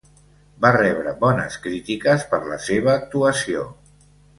Va rebre bones crítiques per la seva actuació.